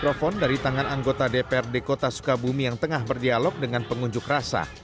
krofon dari tangan anggota dprd kota sukabumi yang tengah berdialog dengan pengunjuk rasa